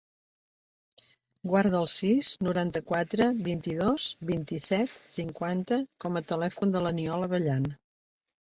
Guarda el sis, noranta-quatre, vint-i-dos, vint-i-set, cinquanta com a telèfon de l'Aniol Abellan.